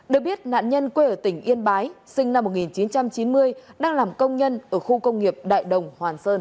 được biết nạn nhân quê ở tỉnh yên bái sinh năm một nghìn chín trăm chín mươi đang làm công nhân ở khu công nghiệp đại đồng hoàn sơn